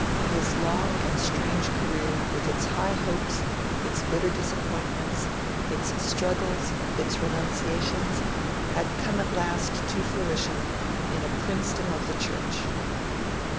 His long and strange career, with its high hopes, its bitter disappointments, its struggles, its renunciations, had come at last to fruition in a Princedom of the Church.